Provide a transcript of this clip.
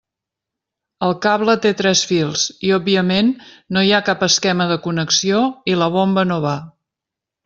El cable té tres fils i òbviament no hi ha cap esquema de connexió i la bomba no va.